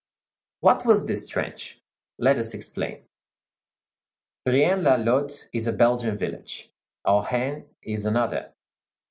What was this trench? Let us explain. Braine l'Alleud is a Belgian village; Ohain is another.